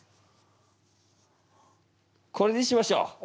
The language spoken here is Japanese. これにしましょう。